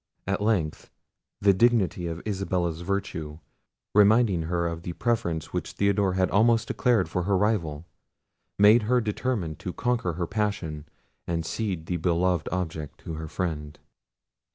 At length the dignity of Isabella's virtue reminding her of the preference which Theodore had almost declared for her rival, made her determine to conquer her passion, and cede the beloved object to her friend.